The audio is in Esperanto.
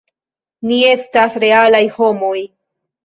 Ni estas realaj homoj.